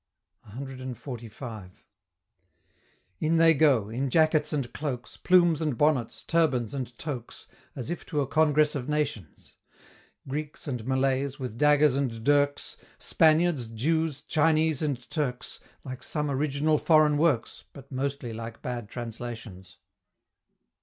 CXLV. In they go in jackets and cloaks, Plumes and bonnets, turbans and toques, As if to a Congress of Nations: Greeks and Malays, with daggers and dirks, Spaniards, Jews, Chinese, and Turks Some like original foreign works, But mostly like bad translations.